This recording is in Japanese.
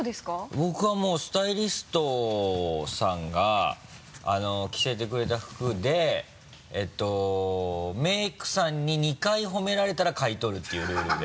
僕はもうスタイリストさんが着せてくれた服でえっとメークさんに２回褒められたら買い取るっていうルールで。